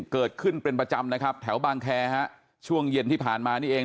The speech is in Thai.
เกิดขึ้นเป็นประจำนะครับแถวบางแคร์ฮะช่วงเย็นที่ผ่านมานี่เอง